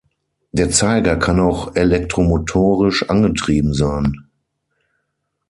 Der Zeiger kann auch elektromotorisch angetrieben sein.